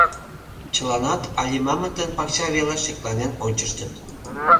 Чыланат Алимамытын пакча велыш шекланен ончыштыт.